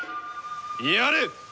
やれ！